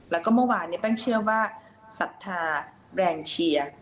และก็เมื่อวานเนี่ยแป้งเชื่อว่าสัตว์ฐาแรงเชียร์